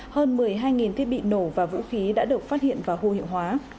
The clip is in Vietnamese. hơn một mươi hai thiết bị nổ và vũ khí đã được phát hiện và vô hiệu hóa